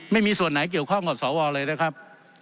ไม่มีส่วนไหนเกี่ยวข้องกับสวเลยนะครับ